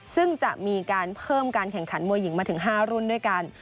ซึ่งจะมีการเพิ่มการแข่งขันมวยหญิงมาถึง๕รุ่นด้วยกัน